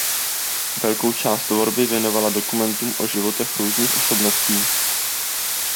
Velkou část tvorby věnovala dokumentům o životech různých osobností.